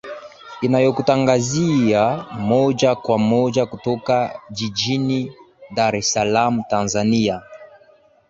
inayokutangazia moja kwa moja kutoka jijini dar es salaam tanzania